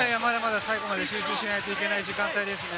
最後まで集中しないといけない時間ですね。